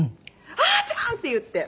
「あーちゃん！」って言って。